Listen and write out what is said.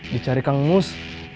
dicari kang mus